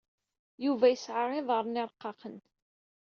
Yuba yesɛa iḍarren d irqaqen.